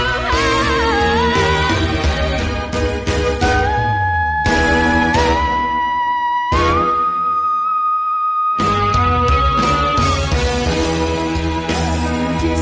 แน่แน่รู้เหรอ